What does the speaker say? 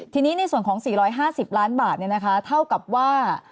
ทีนี้ในส่วนของ๔๕๐ล้านบาทเท่ากับว่า